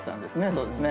そうですね。